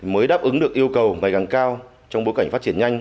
mới đáp ứng được yêu cầu ngày càng cao trong bối cảnh phát triển nhanh